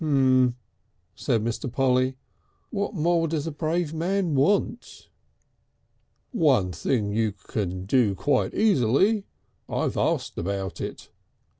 "M'm," said Mr. Polly. "What more does a brave man want?" "One thing you can do quite easily. I've asked about it."